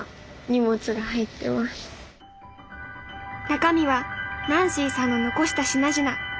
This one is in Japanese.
中身はナンシーさんの残した品々。